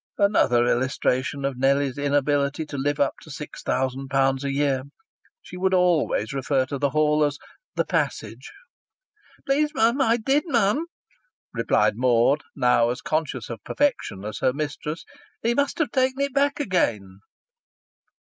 (Another illustration of Nellie's inability to live up to six thousand pounds a year; she would always refer to the hall as the "passage!") "Please'm, I did, m'm," replied Maud, now as conscious of perfection as her mistress. "He must have took it back again."